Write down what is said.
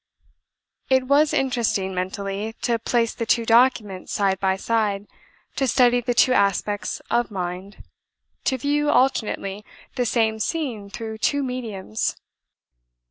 It was interesting mentally to place the two documents side by side to study the two aspects of mind to view, alternately, the same scene through two mediums.